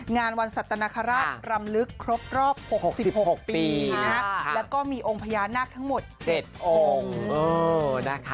งานวันสัตนคราชรำลึกครบรอบ๖๖ปีแล้วก็มีองค์พญานาคทั้งหมด๗องค์